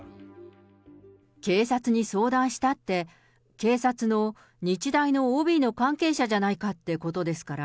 警察に相談したって、警察の日大のＯＢの関係者じゃないかってことですから。